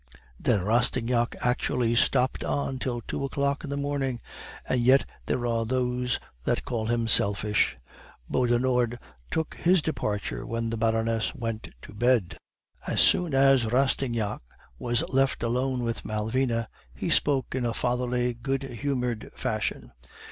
Then Rastignac actually stopped on till two o'clock in the morning. And yet there are those that call him selfish! Beaudenord took his departure when the Baroness went to bed. "As soon as Rastignac was left alone with Malvina, he spoke in a fatherly, good humored fashion.